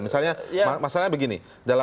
misalnya masalahnya begini